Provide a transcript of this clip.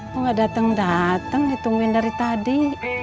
kok nggak dateng dateng ditungguin dari tadi